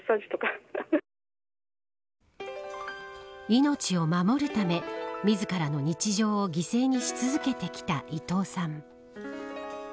命を守るため自らの日常を犠牲にし続けてきた伊藤さん。